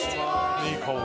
いい香り。